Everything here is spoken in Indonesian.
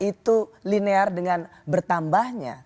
itu linear dengan bertambahnya